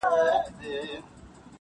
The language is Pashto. د پيل ورځ بيا د پرېکړې شېبه راځي ورو,